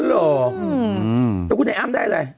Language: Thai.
แล้วคุณไอ้อ้ำได้อะไร